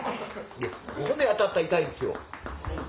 いや骨当たったら痛いですよ。